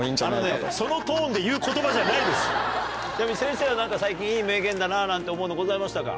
先生は最近いい名言だななんて思うのございましたか？